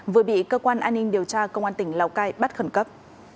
vừa bị cơ quan an ninh điều tra công an tỉnh lào cai bắt khẩn cấp